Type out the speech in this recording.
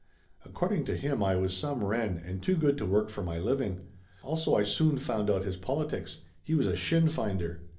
Ac cording to him I was some wren and too good to work for my living. Also I soon found out his politics. He was a Shin Finder.